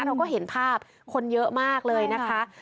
เราก็เห็นภาพคนเยอะมากเลยนะคะ